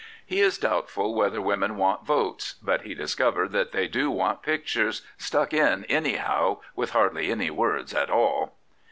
He is doubtful whether women want votes; but he discovered that they do want pictures, ' stuck in anyhow, with hardly any words at all.